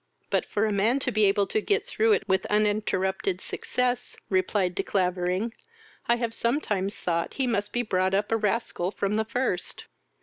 "But, for a man to be able to get through it with uninterrupted success, (replied De Clavering, I have sometimes thought he must be brought up a rascal from the first.